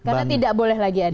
karena tidak boleh lagi ada